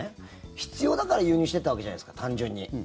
必要だから輸入していたわけじゃないですか単純に。